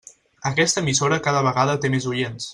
Aquesta emissora cada vegada té més oients.